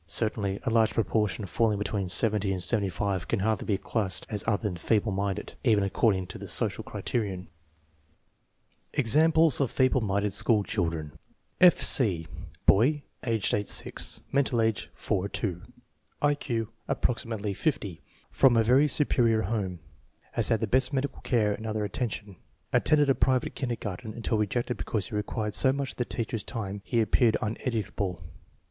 Certainly a large proportion falling between 70 and 75 can hardly be classed as other than feeble minded, even according to the social criterion. 82 THE MEASUREMENT OF INTELLIGENCE Examples of feeble minded school children F. C. 7?07/, age 8 6; mental age 4~2; I Q approxi?natcly 50. From a very superior home. Has had the best medical care and other attention. Attended a private kindergarten until rejected because he required so much of the teacher's time and appeared uneducable.